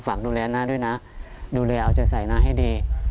ฝากดูแลน้าด้วยนะดูแลเอาใจใส่น้าให้ดี